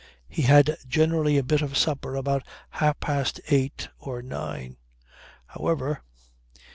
He had generally a bit of supper about half past eight or nine. However